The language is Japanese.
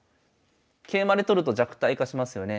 桂馬で取ると弱体化しますよね。